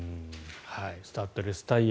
スタッドレスタイヤ